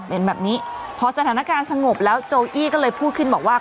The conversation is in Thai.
เป็นแบบนี้พอสถานการณ์สงบแล้วโจอี้ก็เลยพูดขึ้นบอกว่า